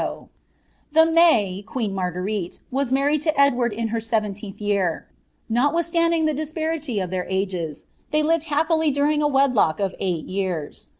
*■ The May, queen Marguerite," was married lo Edward in hw •pto teentli year; notwiihstatuling the disparity of their ages, lh« iari happily during a wwilock of eiglit years.